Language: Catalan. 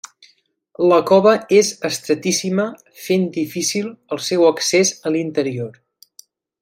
La cova és estretíssima fent difícil el seu accés a l'interior.